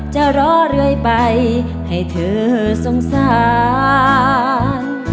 จะรอเรื่อยไปให้เธอสงสาร